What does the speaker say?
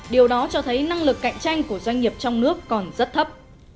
điều đó cho thấy năng lực cạnh tranh của doanh nghiệp trong nước còn rất thấp